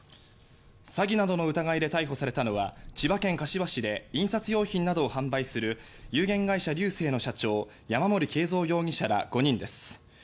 詐欺などの疑いで逮捕されたのは千葉県柏市で印刷用品などを販売する有限会社リューセイの社長山森敬造容疑者ら５人です。